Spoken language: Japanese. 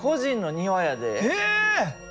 え！